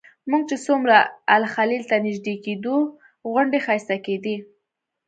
موږ چې څومره الخلیل ته نږدې کېدو غونډۍ ښایسته کېدې.